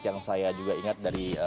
yang saya juga ingat dari